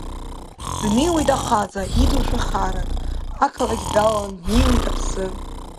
Днеиуеит ахаҵа идушәа харак, ақалақь далалан днеиуеи аԥсы.